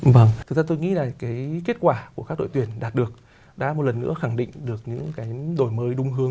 vâng thực ra tôi nghĩ là cái kết quả của các đội tuyển đạt được đã một lần nữa khẳng định được những cái đổi mới đúng hướng